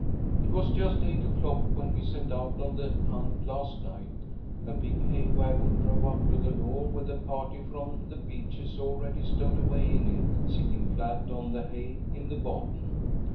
"It was just eight o'clock when we set out on the hunt last night. A big hay wagon drove up to the door with the party from The Beeches already stowed away in it, sitting flat on the hay in the bottom.